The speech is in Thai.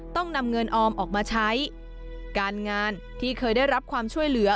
ต้องนำเงินออมออกมาใช้การงานที่เคยได้รับความช่วยเหลือ